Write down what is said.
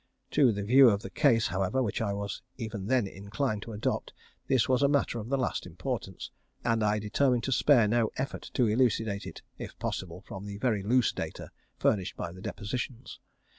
To the view of the case, however, which I was even then inclined to adopt this was a matter of the last importance, and I determined to spare no effort to elucidate it if possible from the very loose data furnished by the depositions.